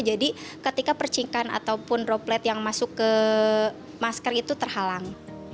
jadi ketika percingkan ataupun droplet yang masuk ke masker itu terhalang